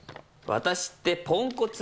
私ってポンコツ！